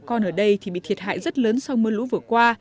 con ở đây thì bị thiệt hại rất lớn sau mưa lũ vừa qua